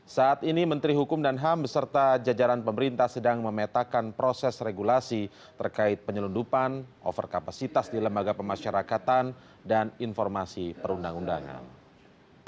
saat ini menteri hukum dan ham beserta jajaran pemerintah sedang memetakan proses regulasi terkait penyelundupan overkapasitas di lembaga pemasyarakatan dan informasi perundang undangan